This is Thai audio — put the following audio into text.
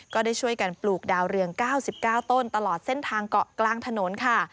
ก็ได้ช่วยกันปลูกดาวเรือง๙๙ต้นตลอดเส้นทางเกาะกลางถนนค่ะ